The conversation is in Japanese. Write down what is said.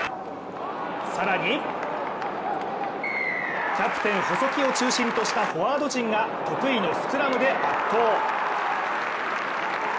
更にキャプテン・細木を中心としたフォワード陣が得意のスクラムで圧倒。